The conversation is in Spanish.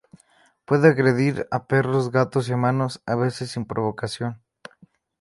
Puede agredir a perros, gatos y humanos, a veces sin provocación.